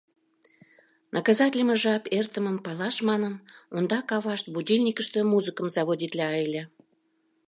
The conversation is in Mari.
Наказатлыме жап эртымым палаш манын, ондак авашт будильникыште музыкым заводитла ыле.